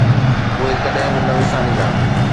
اهي ڪڏهن به نه وساريندا.